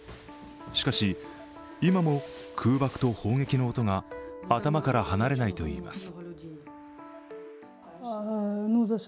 しかし、今も空爆と砲撃の音が頭から離れないといいます。